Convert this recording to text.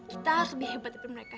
kita harus lebih hebat daripada mereka